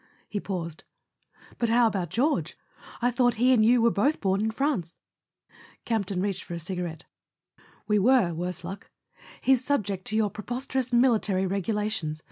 He paused. "But how about George—I thought he and you were both born in France ?" Campton reached for a cigarette. "We were, worse luck. He's subject to your preposterous military regu¬ lations.